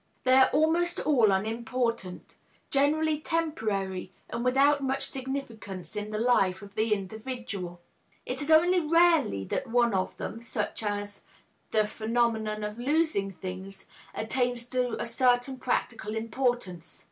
They are almost all unimportant, generally temporary and without much significance in the life of the individual. It is only rarely that one of them, such as the phenomenon of losing things, attains to a certain practical importance.